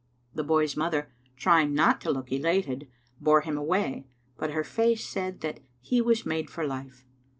The boy's mother, trying not to look elated, bore him away, but her face said that he was made for life.